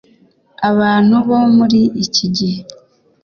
abantu bo muri iki gihe